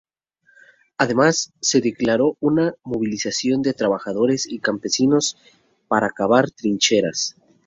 Además, se declaró una movilización de trabajadores y campesinos para cavar trincheras.